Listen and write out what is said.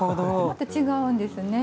また違うんですね。